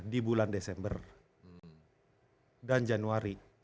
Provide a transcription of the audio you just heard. di bulan desember dan januari